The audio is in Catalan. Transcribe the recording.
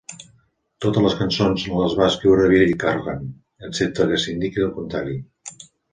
Totes les cançons les va escriure Billy Corgan, excepte que s'indiqui el contrari.